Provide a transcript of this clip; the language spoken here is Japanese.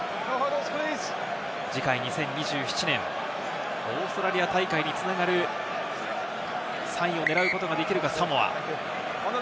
次回２０２７年、オーストラリア大会に繋がる３位を狙うことができるか、サモア。